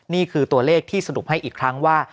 นี่คือตัวเลขที่สรุปให้อีกครั้งว่า